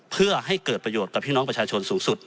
เพื่อให้เกิดประโยชน์กับพี่น้องประชาชนสูงสุด